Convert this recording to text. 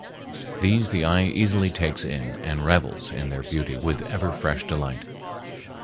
These the eye easily takes in and revels in their beauty with ever fresh delight.